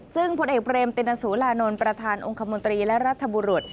ซึ่งผลเอกเบรมตินสุรานนท์ประธานองค์คมนตรีและรัฐบุรุษ